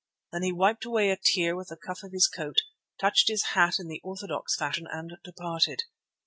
Then he wiped away a tear with the cuff of his coat, touched his hat in the orthodox fashion and departed.